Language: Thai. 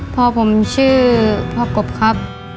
พ่อผมชื่อพ่อกบครับ